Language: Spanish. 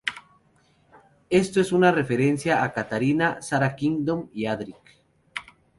Esto es una referencia a Katarina, Sara Kingdom y Adric.